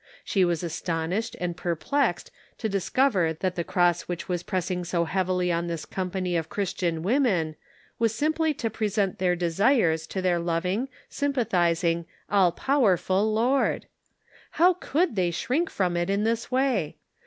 She was astonished and perplexed to discover that the cross which was pressing so heavily on this company of Christian women was simply to present their desires to their loving, sympathizing, all powerful Lord ! How could they shrink from it in this way